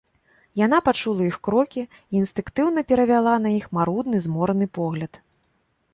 Яна пачула іх крокі і інстынктыўна перавяла на іх марудны, змораны погляд.